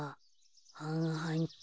はんはんっと。